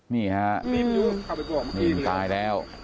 นี่ค่ะนี่มันตายแล้ว